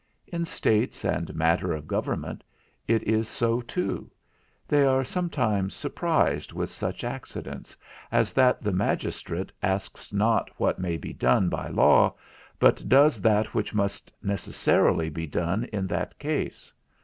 In states and matter of government it is so too; they are sometimes surprised with such accidents, as that the magistrate asks not what may be done by law, but does that which must necessarily be done in that case.